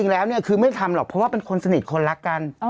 แล้วเนี่ยคือไม่ทำหรอกเพราะว่าเป็นคนสนิทคนรักกัน